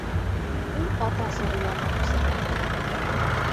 Ул ата-әсәһе янына күсергә теләй.